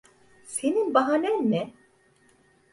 Senin bahanen ne?